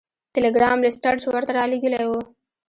ټیلګرام لیسټرډ ورته رالیږلی و.